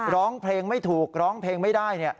ร้องเพลงไม่ถูกร้องเพลงไม่ได้